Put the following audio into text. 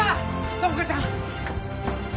友果ちゃん？